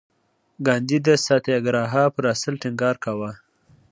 ګاندي د ساتیاګراها پر اصل ټینګار کاوه.